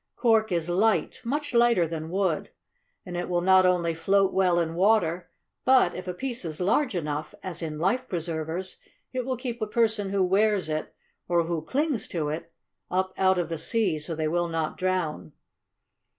Cork is light, much lighter than wood, and it will not only float well in water, but, if a piece is large enough, as in life preservers, it will keep a person who wears it, or who clings to it, up out of the sea so they will not drown.